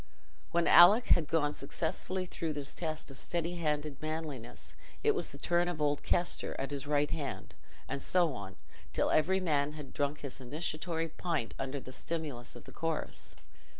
When Alick had gone successfully through this test of steady handed manliness, it was the turn of old Kester, at his right hand—and so on, till every man had drunk his initiatory pint under the stimulus of the chorus.